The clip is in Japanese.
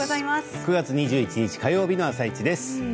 ９月２１日火曜日の「あさイチ」です。